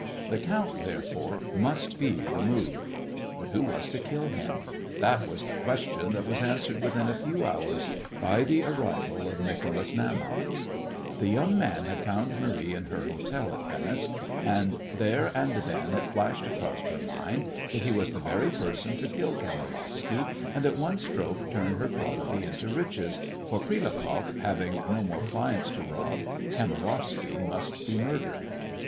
The count, therefore, must be removed. But who was to kill him? That was a question that was answered within a few hours by the arrival of Nicholas Naumoff. The young man found Marie in her hotel at Venice, and there and then it flashed across her mind that he was the very person to kill Kamarowsky and at one stroke turn her poverty into riches, for Prilukoff having no more clients to rob, Kamarowsky must be murdered.